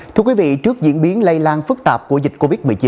thưa quý vị trước diễn biến lây lan phức tạp của dịch covid một mươi chín